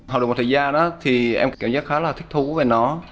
học được một thời gian đó thì em cảm giác khá là thích thú về nó